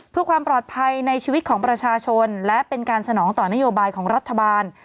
เพื่อความปลอดภัยในชีวิตของประชาชนและเป็นการสนองต่อนโยบายของรัฐบาล